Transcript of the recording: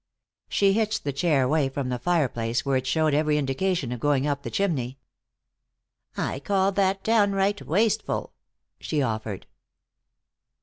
She hitched the chair away from the fireplace, where it showed every indication of going up the chimney. "I call that downright wasteful," she offered.